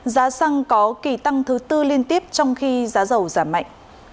giá xăng có kỳ tăng thứ tư liên tiếp trong khi giá dầu giảm mạnh